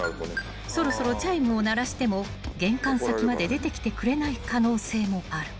［そろそろチャイムを鳴らしても玄関先まで出てきてくれない可能性もある］